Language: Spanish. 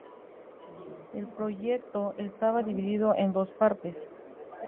El proyecto estaba dividido en dos partes.